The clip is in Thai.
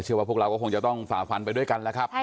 เชื่อว่าพวกเราก็คงจะต้องฝ่าฟันไปด้วยกันนะครับ